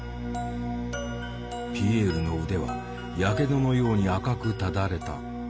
ピエールの腕はやけどのように赤くただれた。